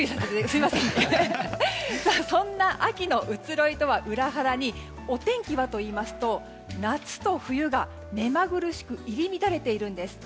そんな秋の移ろいとは裏腹にお天気はといいますと夏と冬が目まぐるしく入り乱れているんです。